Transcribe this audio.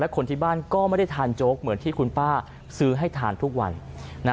คนที่บ้านก็ไม่ได้ทานโจ๊กเหมือนที่คุณป้าซื้อให้ทานทุกวันนะ